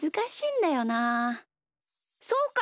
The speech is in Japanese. そうか！